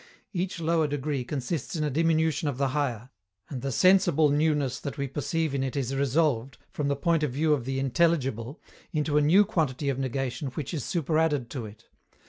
Each lower degree consists in a diminution of the higher, and the sensible newness that we perceive in it is resolved, from the point of view of the intelligible, into a new quantity of negation which is superadded to it.